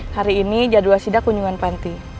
hari ini jadwal sidak kunjungan panti